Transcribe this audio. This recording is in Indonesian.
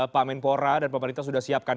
pak menpora dan pak marita sudah siapkan